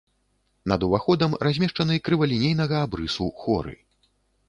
Над уваходам размешчаны крывалінейнага абрысу хоры.